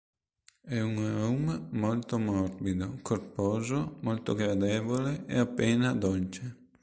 È un rum molto morbido, corposo, molto gradevole e appena dolce.